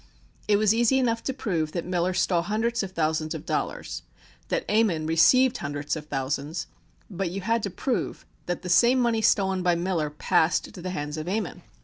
It was easy enough to prove that Miller stole hundreds of thousands of dollars, that Ammon received hundreds of thousands, but you had to prove that the same money stolen by Miller passed to the hands of Ammon.